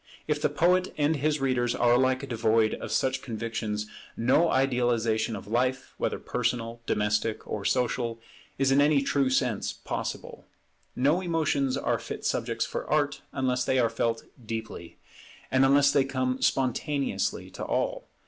If the poet and his readers are alike devoid of such convictions, no idealization of life, whether personal, domestic, or social, is in any true sense possible. No emotions are fit subjects for Art unless they are felt deeply, and unless they come spontaneously to all.